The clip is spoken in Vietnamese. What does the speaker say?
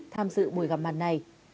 tham dự buổi gặp mặt này